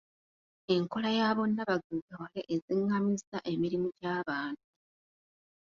Enkola ya bonna bagaggawale ezingamizza emirimu gy'abantu.